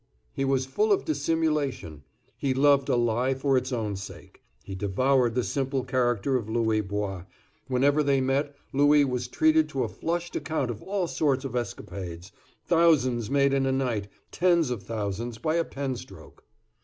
He was full of dissimulation; he loved a lie for its own sake; he devoured the simple character of Louis Bois. Whenever they met, Louis was treated to a flushed account of all sorts of escapades,—thousands made in a night—tens of thousands by a pen stroke.